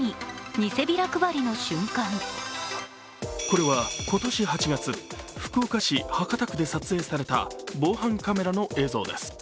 これは今年８月、福岡市博多区で撮影された防犯カメラの映像です。